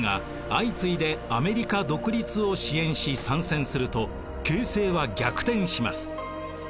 相次いでアメリカ独立を支援し参戦すると形勢は逆転します。